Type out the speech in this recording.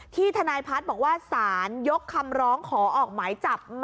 ทนายพัฒน์บอกว่าสารยกคำร้องขอออกหมายจับ